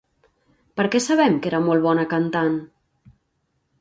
Per què sabem que era molt bona cantant?